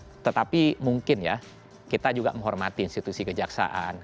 nah tetapi mungkin ya kita juga menghormati institusi kejaksaan